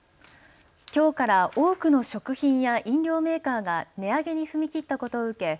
きょうから多くの食品や飲料メーカーが値上げに踏み切ったことを受け